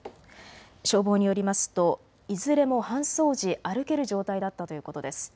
消防によりますといずれも搬送時、歩ける状態だったということです。